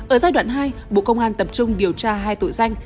ở giai đoạn hai bộ công an tập trung điều tra hai tội danh